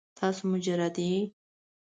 تاسو مجرد یې؟